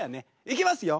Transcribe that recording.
いきますよ